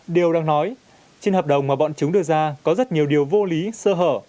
điều đang nói trên hợp đồng mà bọn chúng đưa ra có rất nhiều điều vô lý sơ hở